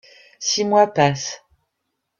Six mois passent.